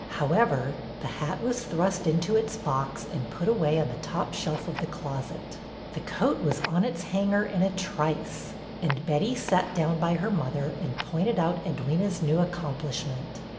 However, the hat was thrust into its box and put away on the top shelf of the closet. BETTY'S GOLDEN MINUTE 63 the coat was on its hanger in a trice, and Betty sat down by her mother and pointed out Edwyna's new accomplishment.